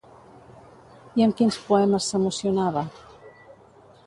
I amb quins poemes s'emocionava?